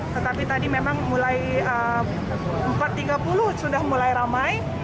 tetapi tadi memang mulai empat tiga puluh sudah mulai ramai